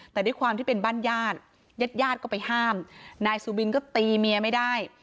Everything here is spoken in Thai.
แต่ด้วยความที่เป็นบ้านญาติญาติก็ไปห้ามนายสุบินก็ตีเมียไม่ได้